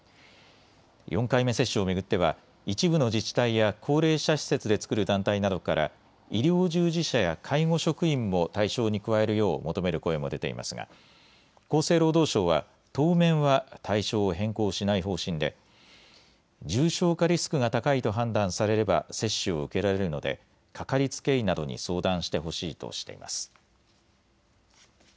４回目接種を巡っては一部の自治体や高齢者施設で作る団体などから医療従事者や介護職員も対象に加えるよう求める声も出ていますが厚生労働省は当面は対象を変更しない方針で重症化リスクが高いと判断されれば接種を受けられるのでかかりつけ医などに相談してほしいとしています。